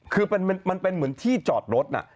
คือมันเป็นเหมือนที่จอดรถน่ะ